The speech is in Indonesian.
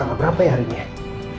tanggal berapa ya hari ini ya